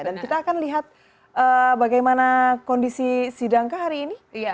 dan kita akan lihat bagaimana kondisi sidangkah hari ini